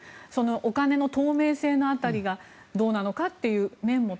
お金の透明性の辺りがどうなのかという面も